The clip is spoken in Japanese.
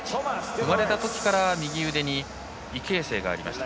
生まれたときから右腕に異型性がありました。